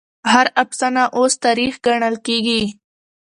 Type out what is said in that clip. هر افسانه اوس تاريخ ګڼل کېږي.